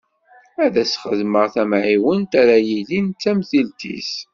Ad s-d-xedmeɣ tamɛiwent ara yilin d tamtilt-is.